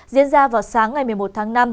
diễn ra vào sáng ngày một mươi một tháng năm